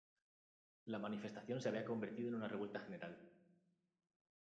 La manifestación se había convertido en una revuelta general.